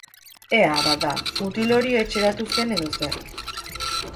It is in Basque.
Ea, bada, mutil hori etxeratu zen edo zer...